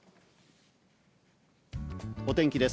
お天気です。